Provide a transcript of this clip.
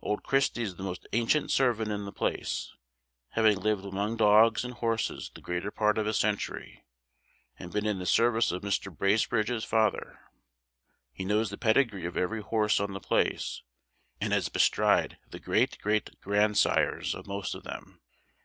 Old Christy is the most ancient servant in the place, having lived among dogs and horses the greater part of a century, and been in the service of Mr. Bracebridge's father. He knows the pedigree of every horse on the place, and has bestrid the great great grandsires of most of them.